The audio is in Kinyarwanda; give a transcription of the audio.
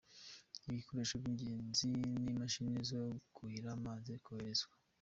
Ibikoresho by’ingenzi n’imashini zo kuhira zamaze koherezwa.